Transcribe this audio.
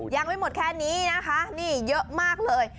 ยังไม่หมดแค่นี้นะคะนี่เยอะมากเลย